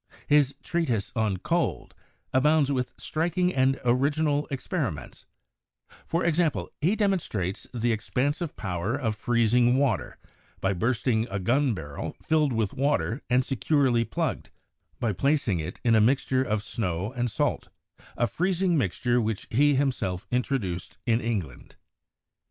His 'Treatise on Cold' abounds with striking and original experiments ; for example, he demonstrates the ex pansive power of freezing water by bursting a gun barrel filled with water and securely plugged, by placing it in a mixture of snow and salt, a freezing mixture which he himself introduced in England.